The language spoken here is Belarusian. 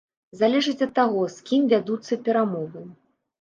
Залежыць ад таго, з кім вядуцца перамовы.